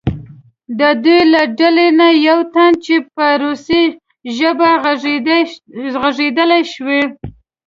د دوی له ډلې نه یو تن چې په روسي ژبه غږېدلی شو.